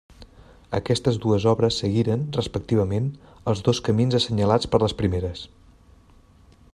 Aquestes dues obres seguiren, respectivament, els dos camins assenyalats per les primeres.